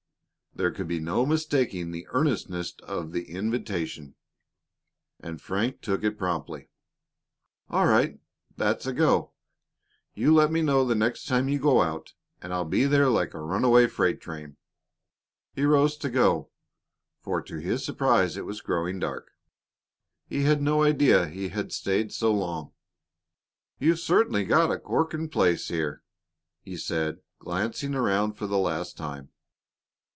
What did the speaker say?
There could be no mistaking the earnestness of the invitation, and Frank took it up promptly. "All right; that's a go. You let me know the next time you go out, and I'll be there like a runaway freight train." He rose to go, for to his surprise it was growing dark; he had no idea he had stayed so long. "You've certainly got a corking place here," he said, glancing around for the last time.